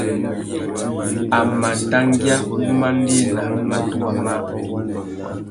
A mà dangüia wumandēna matuwa mâā.